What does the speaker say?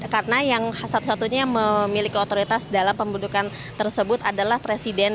karena yang satu satunya yang memiliki otoritas dalam pembentukan tersebut adalah presiden